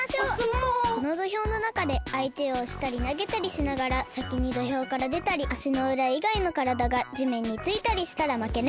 このどひょうのなかであいてをおしたりなげたりしながらさきにどひょうからでたりあしのうらいがいのからだがじめんについたりしたらまけね。